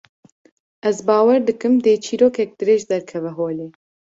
Ez bawer dikim, dê çîrokek dirêj derkeve holê